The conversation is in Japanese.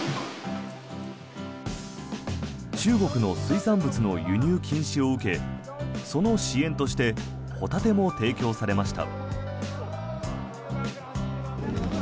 中国の水産物の輸入禁止を受けその支援としてホタテも提供されました。